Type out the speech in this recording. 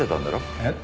えっ？